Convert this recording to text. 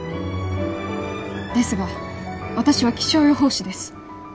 ですが私は気象予報士です。